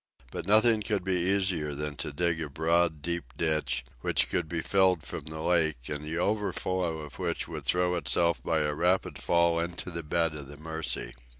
But nothing could be easier than to dig a broad deep ditch, which could be filled from the lake, and the overflow of which would throw itself by a rapid fall into the bed of the Mercy.